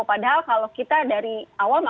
padahal kalau kita dari awal